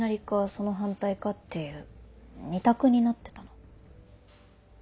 「その反対か」っていう２択になってたの。